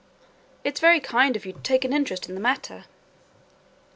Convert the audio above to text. "it's very kind of you to take an interest in the matter."